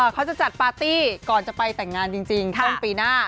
เขาจะจัดปาร์ตี้ก่อนจะไปแต่งงานจริงต้นปีหน้า